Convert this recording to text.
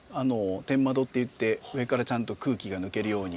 天窓っていって上からちゃんと空気が抜けるように。